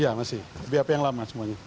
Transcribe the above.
iya masih bap yang lama semuanya